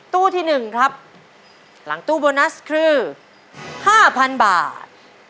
ตู้ที่หนึ่งครับหลังตู้โบนัสคือห้าพันบาท